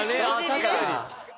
確かに。